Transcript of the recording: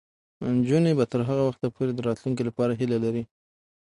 نجونې به تر هغه وخته پورې د راتلونکي لپاره هیله لري.